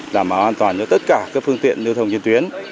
làm an toàn cho tất cả phương tiện